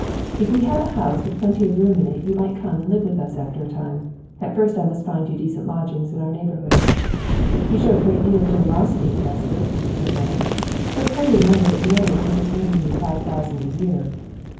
If we have a house with plenty of room in it you might come and live with us after a time. At first I must find you decent lodgings in our neighbourhood.' 'You show a good deal of generosity, Jasper,' said Maud, 'but pray remember that Marian isn't bringing you five thousand a year.